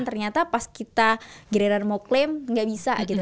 ternyata pas kita giriran mau claim gak bisa gitu